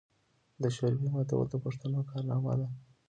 د شوروي ماتول د پښتنو کارنامه ده.